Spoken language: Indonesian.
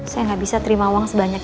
saya gak bisa terima uang sebanyak itu pak